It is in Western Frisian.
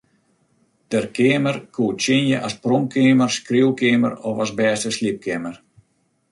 Der keamer koe tsjinje as pronkkeamer, skriuwkeamer of as bêste sliepkeamer.